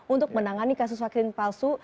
untuk menangani vaksin palsu